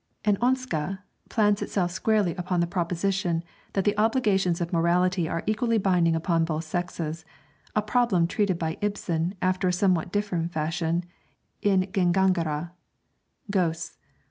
'En Hanske' plants itself squarely upon the proposition that the obligations of morality are equally binding upon both sexes; a problem treated by Ibsen, after a somewhat different fashion, in 'Gengangere' (Ghosts).